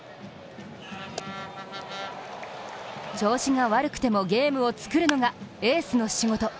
調子が悪くてもゲームを作るのがエースの仕事。